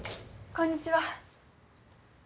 こんにちは。